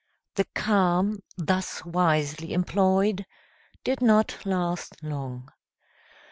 The calm, thus wisely employed, did not last long.